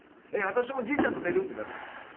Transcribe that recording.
私もじいちゃんと寝る」ってなるんですよ。